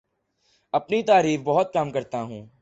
اپنی تعریف بہت کم کرتا ہوں